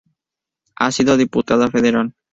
Ha sido Diputada Federal.